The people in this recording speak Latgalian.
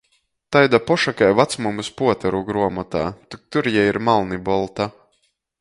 Taida poša kai vacmamys puoteru gruomotā, tik tur jei ir malnibolta.